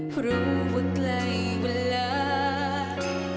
ดูว่ากลายเวลา